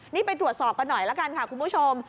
นี่ไปตรวจสอบกันหน่อยละกันค่ะคุณผู้ชม